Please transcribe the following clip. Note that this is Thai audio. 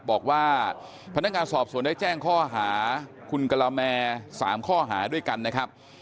บอกว่าพนักงานสอบสวนได้แจ้งข้อหาคุณกะละแม๓ข้อหาด้วยกันนะครับ